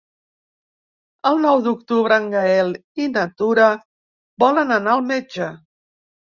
El nou d'octubre en Gaël i na Tura volen anar al metge.